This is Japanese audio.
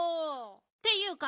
っていうか